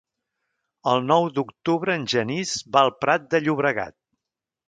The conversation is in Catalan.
El nou d'octubre en Genís va al Prat de Llobregat.